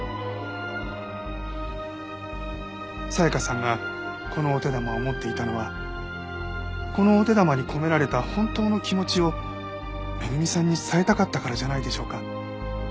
紗香さんがこのお手玉を持っていたのはこのお手玉に込められた本当の気持ちを恵さんに伝えたかったからじゃないでしょうか？